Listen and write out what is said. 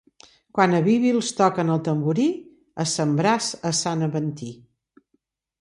Quan a Bibils toquen el tamborí, a sembrar a Sant Aventí.